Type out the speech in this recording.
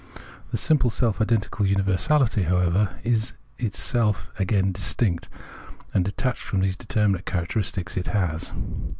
The simple self identical universahty, however, is itself again distinct and detached from these determinate characteristics it has.